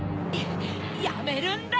やめるんだ！